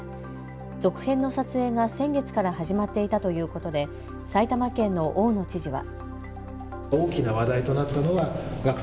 続編の撮影が先月から始まっていたということで埼玉県の大野知事は。